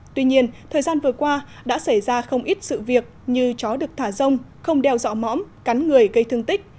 tuy nhiên thời gian vừa qua đã xảy ra không ít sự việc như chó được thả rông không đeo dọ mõm cắn người gây thương tích